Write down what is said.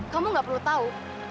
kamu nggak perlu tahu